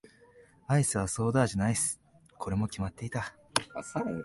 アイスはソーダ味のアイス。これも決まっていた。